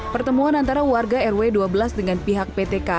pertemuan antara warga rw dua belas dengan pihak pt kai